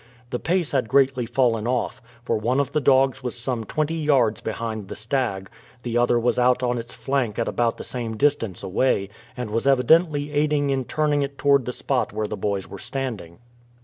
The pace had greatly fallen off, for one of the dogs was some twenty yards behind the stag; the other was out on its flank at about the same distance away, and was evidently aiding in turning it toward the spot where the boys were standing.